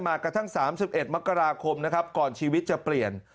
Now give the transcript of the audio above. กระทั่ง๓๑มกราคมนะครับก่อนชีวิตจะเปลี่ยน